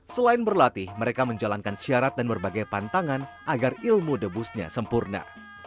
selain berlatih mereka menjalankan syarat dan berbagai pantangan agar ilmu debusnya sempurna